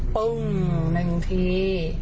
ปึ้งหนึ่งที